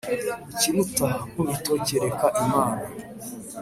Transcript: Ikiruta Nkubito kereka Imana